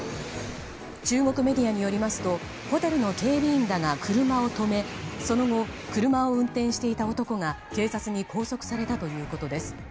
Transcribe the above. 中国メディアによりますとホテルの警備員らが車を止めその後、車を運転していた男が警察に拘束されたということです。